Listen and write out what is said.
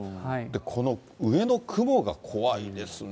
この上の雲が怖いですね。